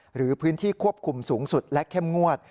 หรือพื้นที่ควบคุมสูงสุดและเข้มงวด